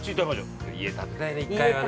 家建てたいね、１回はね。